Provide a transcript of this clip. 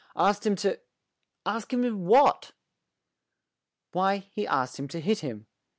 "Asked him to asked him what?" "Why, he asked him to hit him.